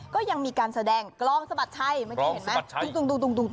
ก็ยังมีการแสดงกล้องสะบัดไช่ไม่เคยเห็นนะ